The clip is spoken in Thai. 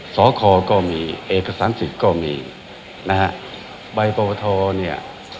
สคก็มีเอกสารสิทธิ์ก็มีนะฮะใบปวทเนี่ย